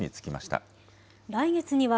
来月には、